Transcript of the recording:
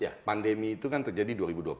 ya pandemi itu kan terjadi dua ribu dua puluh